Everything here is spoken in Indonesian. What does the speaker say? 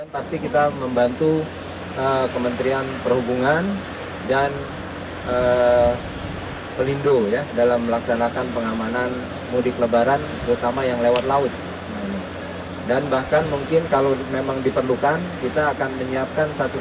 pasti kita membantu kementerian perhubungan dan pelindo